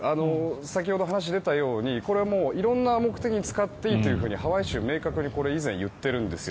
先ほど話に出たようにこれは色んな目的に使っていいとハワイ州明確に以前言っているんです。